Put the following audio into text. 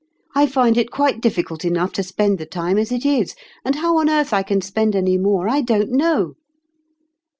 " I find it quite difficult enough to spend the time as it is ; and how on earth I can spend any more, I don't know